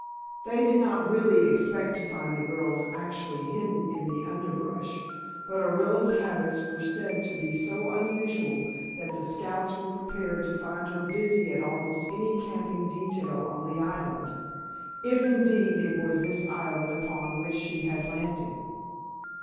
They did not really expect to find the girls actually hidden in the underbrush, but Orilla's habits were said to be so unusual that the scouts were prepared to find her busy at almost any camping detail on the island, if indeed it was this island upon which she had landed.